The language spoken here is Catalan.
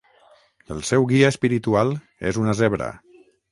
El seu guia espiritual és una zebra.